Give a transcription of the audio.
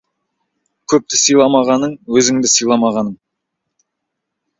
Көпті сыйламағаның, өзіңді сыйламағаның.